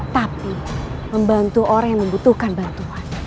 tapi membantu orang yang membutuhkan bantuan